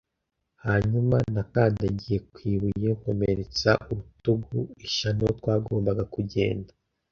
hanyuma nakandagiye ku ibuye nkomeretsa urutugu; ishyano, twagombaga kugenda